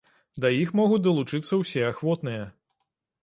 Да іх могуць далучыцца ўсе ахвотныя.